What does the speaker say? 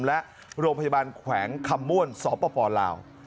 และโรงพยาบาลแขวงคำม่วนสปลาว